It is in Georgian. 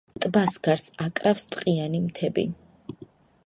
ტბას გარს აკრავს ტყიანი მთები.